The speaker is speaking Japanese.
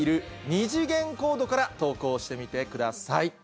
２次元コードから投稿してみてください。